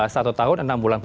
satu tahun enam bulan